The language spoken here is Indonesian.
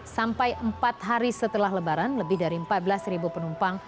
sampai empat hari setelah lebaran lebih dari empat belas penumpang